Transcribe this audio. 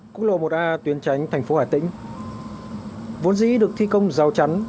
cục lộ một a tuyên tránh thành phố hà tĩnh vốn dĩ được thi công giao chắn